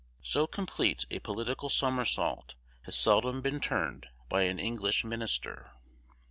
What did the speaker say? So complete a political somersault has seldom been turned by an English minister.